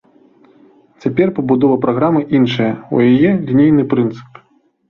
Цяпер пабудова праграмы іншая, у яе лінейны прынцып.